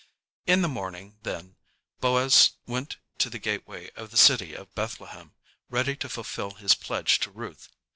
"] In the morning, then, Boaz went to the gateway of the city of Bethlehem, ready to fulfill his pledge to Ruth.